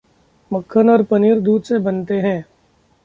मक्खन और पनीर दूध से बनते हैं।